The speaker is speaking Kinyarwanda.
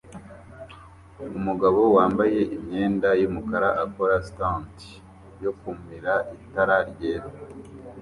Umugabo wambaye imyenda yumukara akora stunt yo kumira itara ryaka